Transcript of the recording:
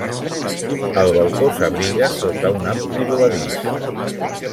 El balcó s'abriga sota un ampli voladís.